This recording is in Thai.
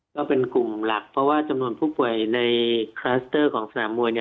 ก็เป็นกลุ่มหลักเพราะว่าจำนวนผู้ป่วยในคลัสเตอร์ของสนามมวย